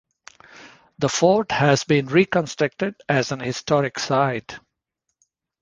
The fort has been reconstructed as an historic site.